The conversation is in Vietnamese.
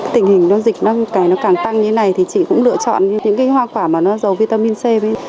tình hình dịch nó càng tăng như thế này thì chị cũng lựa chọn những hoa quả mà nó dầu vitamin c